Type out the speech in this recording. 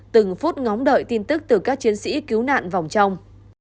từng phút ngóng đợi tin tức từ các chiến sĩ cứu nạn vòng trong